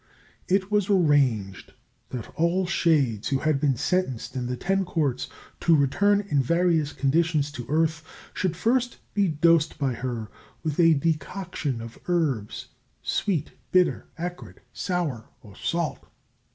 It was arranged that all shades who had been sentenced in the Ten Courts to return in various conditions to earth should first be dosed by her with a decoction of herbs, sweet, bitter, acrid, sour or salt.